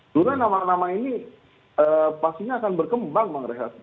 sebenarnya nama nama ini pastinya akan berkembang